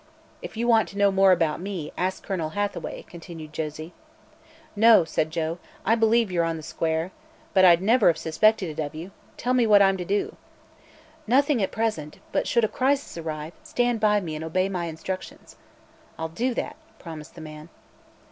"If you want to know more about me, ask Colonel Hathaway," continued Josie. "No," said Joe; "I believe you're on the square. But I'd never have suspected it of you. Tell me what I'm to do." "Nothing, at present. But should a crisis arrive, stand by me and obey my instructions." "I'll do that," promised the man.